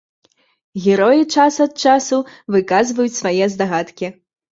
Героі час ад часу выказваюць свае здагадкі.